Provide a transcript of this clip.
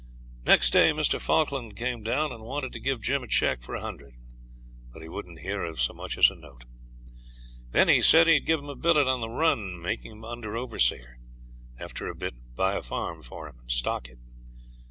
Next day Mr. Falkland came down and wanted to give Jim a cheque for a hundred; but he wouldn't hear of so much as a note. Then he said he'd give him a billet on the run make him under overseer; after a bit buy a farm for him and stock it.